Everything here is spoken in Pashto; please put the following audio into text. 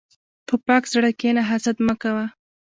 په پاک زړه کښېنه، حسد مه کوه.